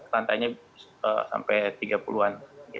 rantainya sampai tiga puluh an